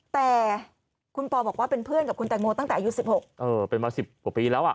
แต่คุณปอบอกว่าเป็นเพื่อนกับคุณแตงโมตั้งแต่อายุ๑๖เออเป็นมาสิบกว่าปีแล้วอ่ะ